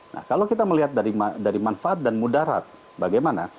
nah kalau kita melihat dari manfaat dan mudarat bagaimana